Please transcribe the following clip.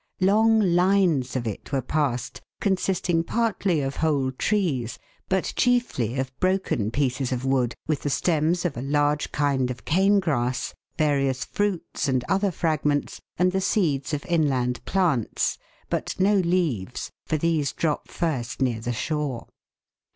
Long lines of it were passed, consisting partly of whole trees, but chiefly of broken pieces of wood with the stems of a large kind of cane grass, various fruits and other fragments, and the seeds of inland plants, but no leaves, for these drop first near the shore.